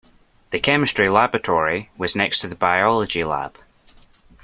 The chemistry laboratory was next to the biology lab